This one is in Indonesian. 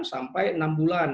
sampai enam bulan